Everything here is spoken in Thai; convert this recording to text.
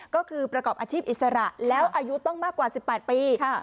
ก็คือประกอบอาชีพอิสระแล้วอายุต้องมากกว่า๑๘ปี